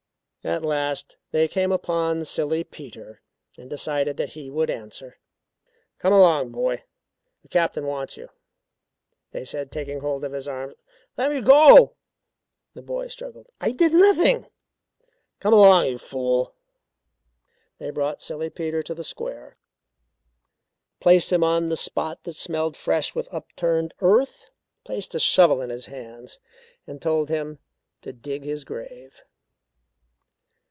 At last they came upon Silly Peter and decided that he would answer. "Come along, boy; the Captain wants you," they said, taking hold of his arms. "Let me go!" The boy struggled. "I did nothing." "Come along, you fool!" They brought Silly Peter to the square, placed him on the spot that smelled fresh with upturned earth, placed a shovel in his hands and told him to dig his grave.